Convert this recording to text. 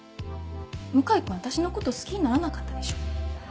向井君私のこと好きにならなかったでしょ？